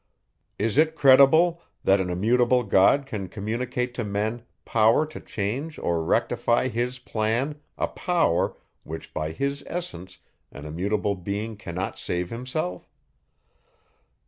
Is it credible, that an immutable God can communicate to men power to change or rectify his plan, a power, which by his essence an immutable being cannot save himself?